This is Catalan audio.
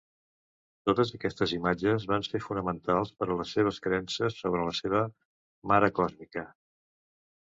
Totes aquestes imatges van ser fonamentals per a les seves creences sobre la seva "Mare Còsmica".